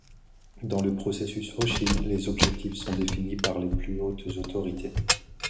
Dans le processus Hoshin, les objectifs sont définis par les plus hautes autorités.